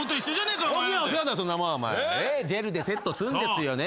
ジェルでセットするんですよね。